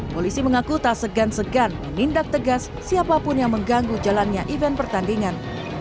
polisi mengaku tak segan segan menindak tegas siapapun yang mengganggu jalannya event pertandingan